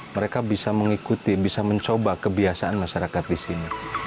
mereka bisa mengikuti bisa mencoba kebiasaan masyarakat di sini